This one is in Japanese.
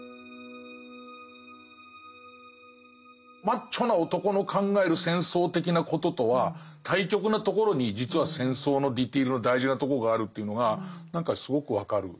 マッチョな男の考える戦争的なこととは対極なところに実は戦争のディテールの大事なところがあるというのが何かすごく分かる。